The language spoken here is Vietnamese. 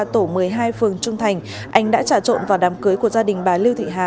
tổ một mươi hai phường trung thành anh đã trả trộn vào đám cưới của gia đình bà lưu thị hà